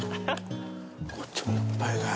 こっちもいっぱいかよ。